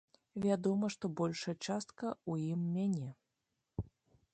Вядома, што большая частка ў ім мяне.